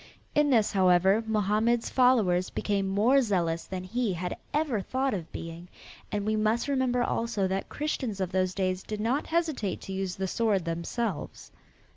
In this, however, Mohammed's followers became more zealous than he had ever thought of being, and we must remember also that Christians of those days did not hesitate to use the sword, themselves.